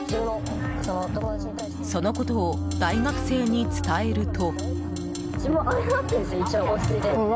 そのことを大学生に伝えると。